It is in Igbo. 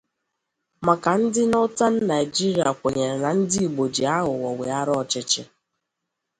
maka ndị “Northern” Naịjirịa kwenyere na ndị Igbo ji aghụghọ weghara ọchịchị